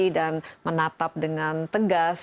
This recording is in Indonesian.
dan menatap dengan tegas